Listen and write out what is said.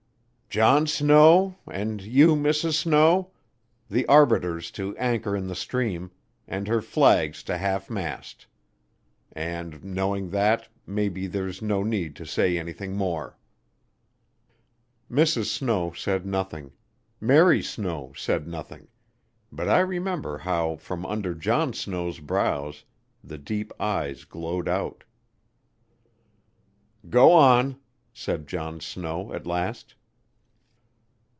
"John Snow and you, Mrs. Snow the Arbiter's to anchor in the stream, and her flag's to half mast. And knowing that, maybe there's no need to say anything more." Mrs. Snow said nothing, Mary Snow said nothing, but I remember how from under John Snow's brows the deep eyes glowed out. "Go on," said John Snow at last.